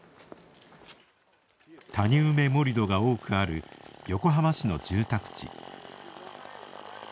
「谷埋め盛土」が多くある横浜市の住宅地。